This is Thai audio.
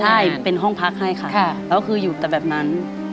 ใช่เป็นห้องพักให้ค่ะแล้วคืออยู่แต่แบบนั้น